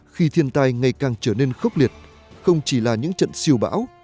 khi thiên tai ngày càng trở nên khốc liệt không chỉ là những trận siêu bão